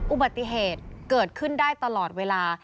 อุบัติเหตุเกิดขึ้นได้ตลอดเวลา